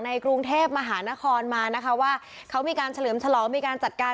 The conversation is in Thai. กรุงเทพมหานครมานะคะว่าเขามีการเฉลิมฉลองมีการจัดการ